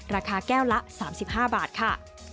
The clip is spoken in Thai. ราคาแก้วละ๓๕บาทค่ะ